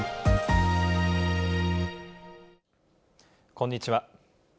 こんにちは。